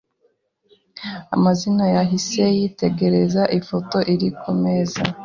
amani yahise yitegereza ifoto iri kumeza.